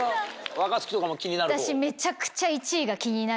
若槻とかも気になるほう？